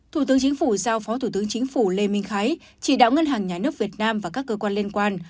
thủ tướng chính phủ giao phó thủ tướng chính phủ lê minh khái chỉ đạo ngân hàng nhà nước việt nam và các cơ quan liên quan